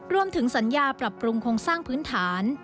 รวมถึงสัญญาปรับปรุงโครงสร้างพื้นฐาน